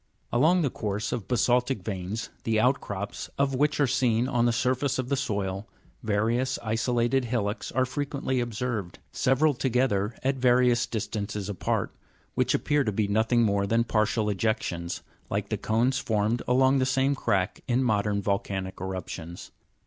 8. Along the course of basa'ltic veins, the out crops of which are seen on the surface of the soil, various isolated hillocks are fre quently observed (fig. 279), seve ral together at various distances apart, which appear to be nothing more than partial ejections, like the cones formed along the same crack in modern volcanic erup tions.